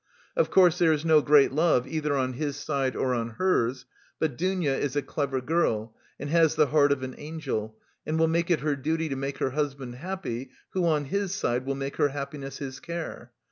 Of course, there is no great love either on his side, or on hers, but Dounia is a clever girl and has the heart of an angel, and will make it her duty to make her husband happy who on his side will make her happiness his care.